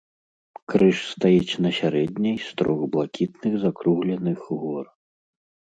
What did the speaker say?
Крыж стаіць на сярэдняй з трох блакітных закругленых гор.